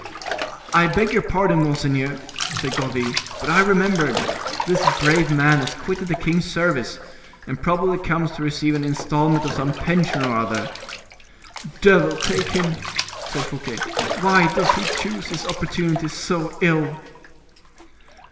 "I beg your pardon, monseigneur!" said Gourville, "but I have remembered; this brave man has quitted the king's service, and probably comes to receive an installment of some pension or other." "Devil take him!" said Fouquet, "why does he choose his opportunity so ill?"